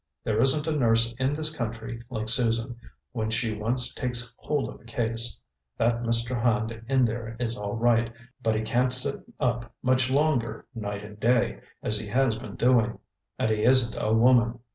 There isn't a nurse in this country like Susan, when she once takes hold of a case. That Mr. Hand in there is all right, but he can't sit up much longer night and day, as he has been doing. And he isn't a woman.